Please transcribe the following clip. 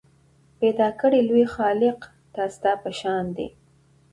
پیدا کړی لوی خالق دا ستا په شان دی